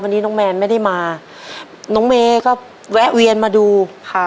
วันนี้น้องแมนไม่ได้มาน้องเมย์ก็แวะเวียนมาดูค่ะ